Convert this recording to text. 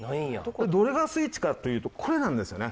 どれがスイッチかというとこれなんですよね。